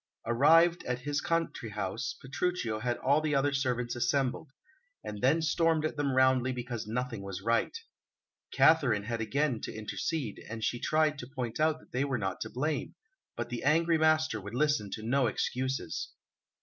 Arrived at his country house, Petruchio had all the other servants assembled, and then stormed at them roundly because nothing was right. Katharine had again to intercede, and she tried to point out they were not to blame; but the angry master would listen to no excuses.